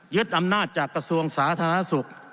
อำนาจจากกระทรวงสาธารณสุข